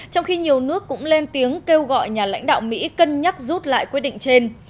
trong khi nhiều nước cũng lên tiếng kêu gọi nhà lãnh đạo mỹ cân nhắc rút lại quyết định trên